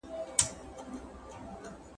که وخت وي، کتابتون ته راځم!!